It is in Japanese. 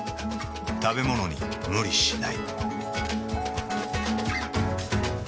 食べものに無理しない。